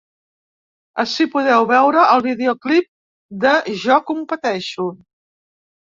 Ací podeu veure el videoclip de Jo competeixo.